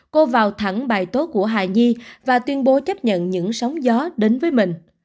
cô vào thẳng bài tốt của hà di và tuyên bố chấp nhận những sóng gió đến với mình